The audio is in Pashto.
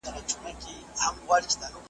که یې ځای وو لویي وني په ځنګلوکي .